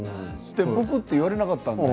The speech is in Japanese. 僕って言われなかったので。